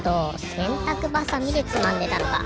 せんたくばさみでつまんでたのか。